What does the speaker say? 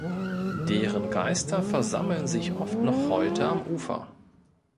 Deren Geister versammeln sich oft noch heute am Ufer.